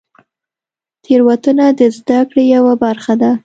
تېروتنه د زدهکړې یوه برخه ده.